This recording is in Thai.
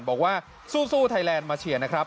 บอกว่าสู้ไทยแลนด์มาเชียร์นะครับ